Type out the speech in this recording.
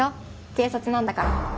警察なんだから。